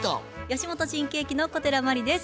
吉本新喜劇の小寺真理です。